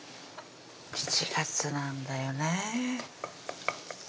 ７月なんだよね